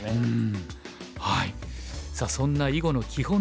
さあそんな囲碁の基本